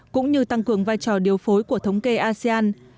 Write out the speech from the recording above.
cũng như tăng cường vai trò điều phối của thống kê asean